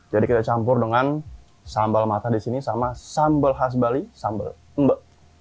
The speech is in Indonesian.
jadi kita campur dengan sambal mata di sini sama sambal khas bali sambal mba